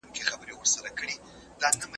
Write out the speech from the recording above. سپورت د عضلاتو جوړولو یوه لاره ده.